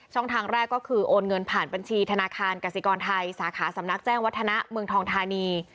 ทางแรกก็คือโอนเงินผ่านบัญชีธนาคารกสิกรไทยสาขาสำนักแจ้งวัฒนะเมืองทองธานี